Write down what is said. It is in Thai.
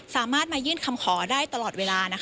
สามารถมายื่นคำขอได้ตลอดเวลา